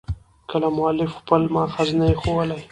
کله مؤلف خپل مأخذ نه يي ښولى.